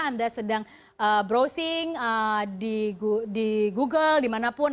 anda sedang browsing di google dimanapun